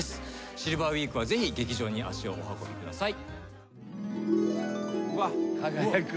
シルバーウイークはぜひ劇場に足をお運びください。